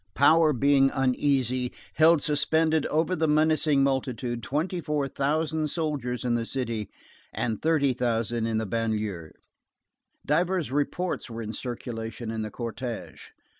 Power being uneasy, held suspended over the menacing multitude twenty four thousand soldiers in the city and thirty thousand in the banlieue. Divers reports were in circulation in the cortège.